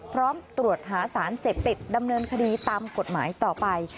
พร้อมตรวจหาสารเสพติดดำเนินคดีตามกฎหมายต่อไป